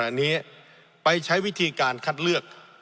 อันนี้ไปใช้วิธีการคัดเลือก